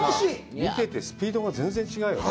見てて、スピードが全然違うよね。